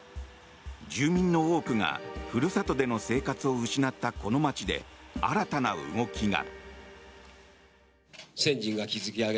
住民の多くがふるさとでの生活を失ったこの町で新たな動きが。